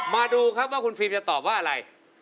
มาดูครับว่าคุณฟิล์มจะตอบว่าอะไร